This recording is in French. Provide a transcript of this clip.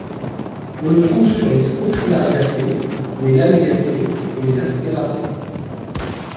On le trouve sur les Scrophulariaceae, les Lamiaceae, et les Asteraceae.